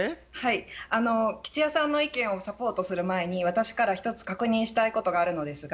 吉弥さんの意見をサポートする前に私から一つ確認したいことがあるのですが。